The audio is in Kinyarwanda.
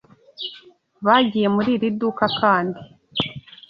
Ybagiyemuri iri duka kandi.